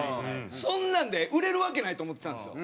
そんなんで売れるわけないと思ってたんですよ。